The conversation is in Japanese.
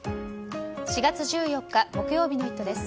４月１４日、木曜日の「イット！」です。